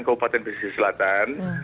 keupatan pesisir selatan